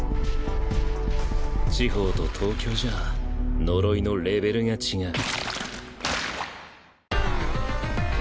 地方と東京じゃ呪いのレベルが違う。